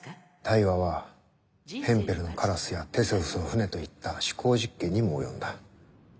対話は「ヘンペルのカラス」や「テセウスの船」といった思考実験にも及んだ。